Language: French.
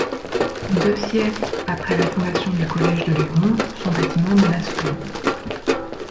Deux siècles après la fondation du Collège de Léon, son bâtiment menace ruine.